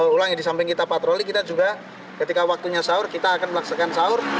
ulang ya di samping kita patroli kita juga ketika waktunya sahur kita akan melaksanakan sahur